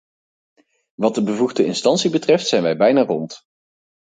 Wat de bevoegde instantie betreft zijn wij bijna rond.